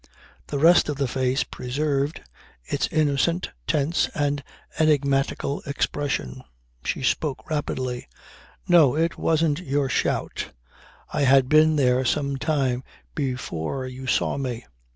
The rest of the face preserved its innocent, tense and enigmatical expression. She spoke rapidly. "No, it wasn't your shout. I had been there some time before you saw me.